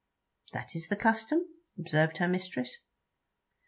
'That is the custom?' observed her mistress.